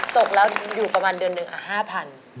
ตกแล้วอยู่ประมาณเดือนหนึ่ง๕๐๐บาท